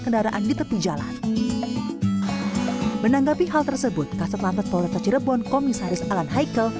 kendaraan di tepi jalan menanggapi hal tersebut kaset lantai toretta cirebon komisaris alan haikel